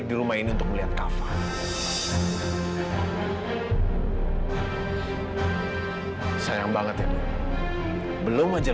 kau mau download pengulangan tidak terlalu gampang